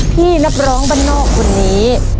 ที่นักร้องบ้านนอกคนนี้